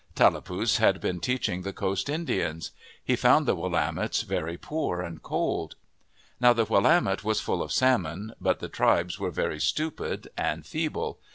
Tallapus had been teaching the coast Indians. He found the Willamettes very poor and cold. Now the Willamette was full of salmon, but the tribes were very stupid and feeble.